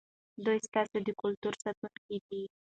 دوی ستاسې د کلتور ساتونکي دي.